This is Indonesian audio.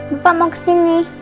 bapak mau kesini